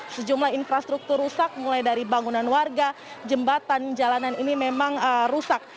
sejumlah infrastruktur rusak mulai dari bangunan warga jembatan jalanan ini memang rusak